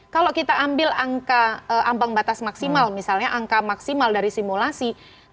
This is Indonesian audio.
kalau kita ambil angka ambang batas maksimal misalnya angka maksimal dari simulasi